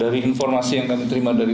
dari informasi yang kami terima dari